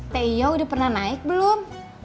teh yo udah pernah naik belum